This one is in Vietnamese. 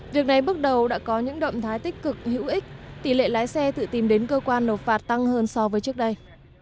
việc này bước đầu đã có những động thái tích cực hữu ích tỷ lệ lái xe tự tìm đến cơ quan nộp phạt tăng hơn so với trước đây